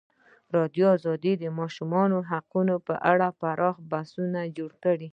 ازادي راډیو د د ماشومانو حقونه په اړه پراخ بحثونه جوړ کړي.